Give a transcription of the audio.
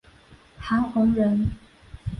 韩弘人。